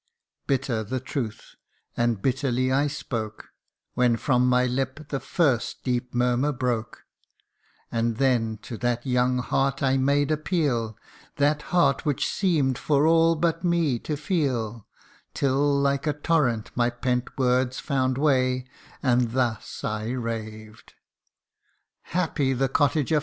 Bitter the truth, and bitterly I spoke, When from my lip the first deep murmur broke ; And then to that young heart I made appeal That heart which seem'd for all but me to feel : Till like a torrent my pent words found way, And thus I raved :"' Happy the cottager